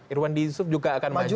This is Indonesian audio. irwan dizuf juga